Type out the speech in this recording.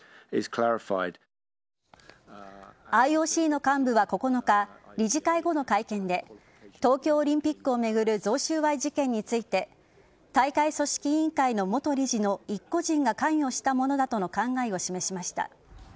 ＩＯＣの幹部は９日理事会後の会見で東京オリンピックを巡る贈収賄事件について大会組織委員会の元理事の一個人が関与したものだとの考えを示しました。